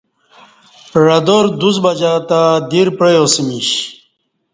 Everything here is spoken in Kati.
عدار دوڅ بجہ تہ دیر پعیاسمیش